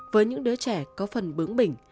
với những đứa trẻ có phần bướng bỉnh